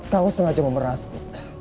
kau sengaja memerasku